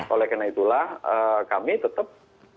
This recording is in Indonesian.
oleh karena itulah kami tetap